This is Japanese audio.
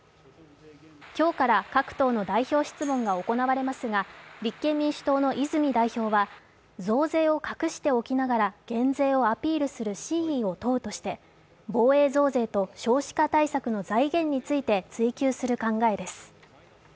今日から各党の代表質問が行われますが立憲民主党の泉代表は増税を隠しておきながら減税をアピールする真意を問うとして防衛増税と少子化対策の財源について追及する考えです。